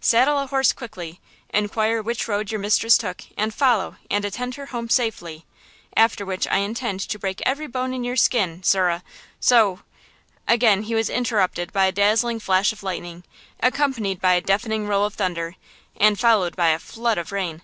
Saddle a horse quickly, inquire which road your mistress took and follow and attend her home safely–after which I intend to break every bone in your skin, sirrah! So–" Again he was interrupted by a dazzling flash of lightning, accompanied by a deafening roll of thunder, and followed by a flood of rain.